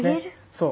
そう。